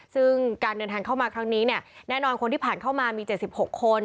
ซึ่งการเดินทางเข้ามาครั้งนี้เนี่ยแน่นอนคนที่ผ่านเข้ามามี๗๖คน